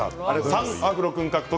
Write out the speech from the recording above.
３アフロ君獲得。